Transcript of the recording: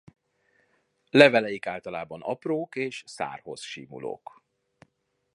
Leveleik általában aprók és szárhoz simulók.